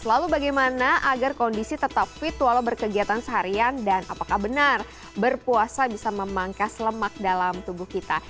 lalu bagaimana agar kondisi tetap fit walau berkegiatan seharian dan apakah benar berpuasa bisa memangkas lemak dalam tubuh kita